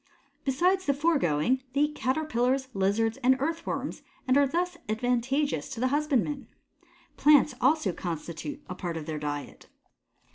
Besides the foregoing they eat Caterpillars, Lizards, and Earthworms and are thus advantageous to the husbandman. Plants also constitute a part of their diet.